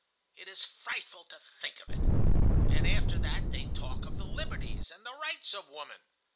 It is frightful to think of it! And after that they talk of the liberties and the rights of woman!